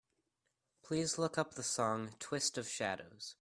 Please look up the song, Twist of shadows.